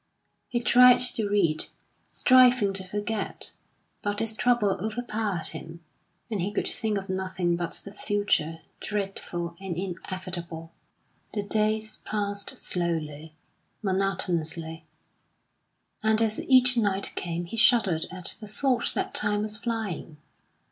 He tried to read, striving to forget; but his trouble overpowered him, and he could think of nothing but the future, dreadful and inevitable. The days passed slowly, monotonously; and as each night came he shuddered at the thought that time was flying.